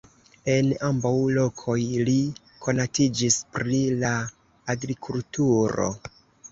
En ambaŭ lokoj li konatiĝis pri la agrikulturo.